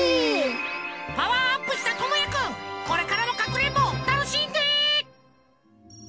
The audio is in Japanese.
パワーアップしたともやくんこれからもかくれんぼたのしんで！